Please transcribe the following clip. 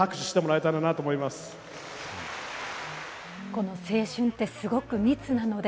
この「青春ってすごく密なので」